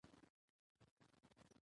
هغسې نه ده رامعرفي شوې